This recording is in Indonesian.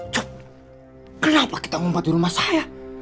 cob kenapa kita ngumpet di rumah saya